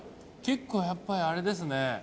結構やっぱりあれですね